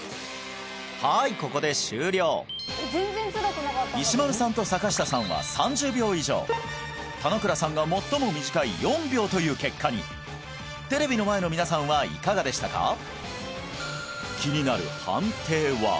はいここで終了石丸さんと坂下さんは３０秒以上田野倉さんが最も短い４秒という結果にテレビの前の皆さんはいかがでしたか？